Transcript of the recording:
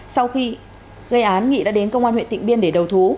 sau khi gây án nghị đã đến công an huyện tịnh biên để đầu thú